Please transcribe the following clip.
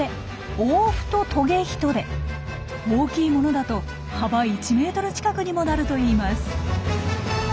大きいものだと幅１ｍ近くにもなるといいます。